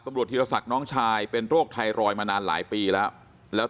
ตำรวจธิรษัทน้องชายเป็นโรคไทรรอยมานานหลายปีแล้วแล้ว